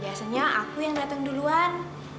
biasanya aku yang datang duluan